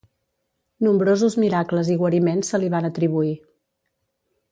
Nombrosos miracles i guariments se li van atribuir.